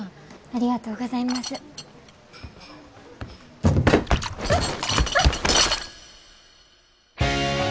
あっ！